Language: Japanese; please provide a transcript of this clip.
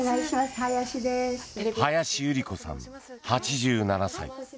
早志百合子さん、８７歳。